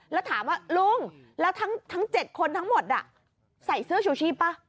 แล้วถามว่าลุงแล้วทั้ง๗คนทั้งหมดใส่เสื้อชูชีพป่ะ